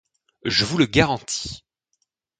Je vous le garantis.